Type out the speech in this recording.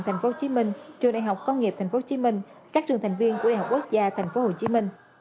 trường đại học sư phạm tp hcm trường đại học công nghiệp tp hcm các trường thành viên của đại học quốc gia tp hcm